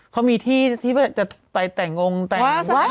เขามีที่ที่จะไปแต่งองค์แต่ง